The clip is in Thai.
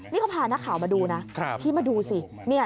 นี่เขาพานักข่าวมาดูนะพี่มาดูสิ